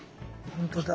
本当だ。